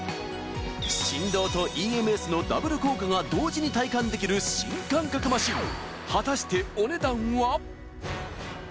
振動とＥＭＳのダブル効果が同時に体感できる新感覚マシンすごい！